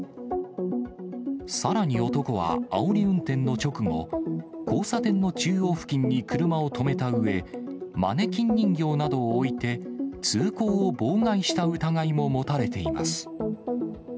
さらに男は、あおり運転の直後、交差点の中央付近に車を止めたうえ、マネキン人形などを置いて、通行を妨害した疑いも持たれています。